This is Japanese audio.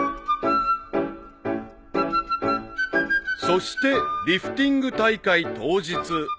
［そしてリフティング大会当日］